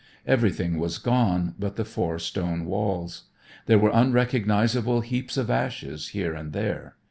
Everything was gone but the four stone walls. There were unrecognizable heaps of ashes here and there.